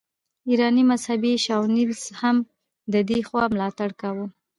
ایراني مذهبي شاونیزم هم د دې خوا ملاتړ کاوه.